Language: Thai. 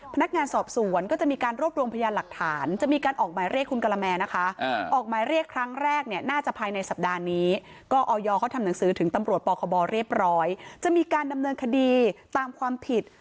พนักงานสอบสวนก็จะมีการรวบรวมพยานหลักฐานจะมีการออกหมายเรียกคุณกะละแมนะคะออกหมายเรียกครั้งแรกเนี่ยน่าจะภายในสัปดาห์นี้ก็ออยเขาทำหนังสือถึงตำรวจปคบเรียบร้อยจะมีการดำเนินคดีตามความผิด